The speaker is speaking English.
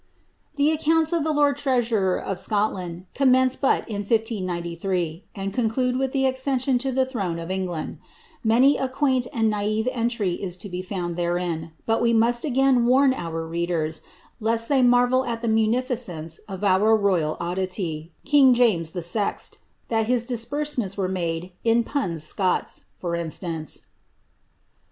'' The accounts of the lord treasurer of Scotland' commence but in 1593, and conclude with the accession to the throne of England; many a quaint and naive entry is to be found therein, but we must again warn our readers, lest they marvel at the munificence of our royal oddity^ King James the Sext, that his disbursements were made in ^punds Scots ;" for instance.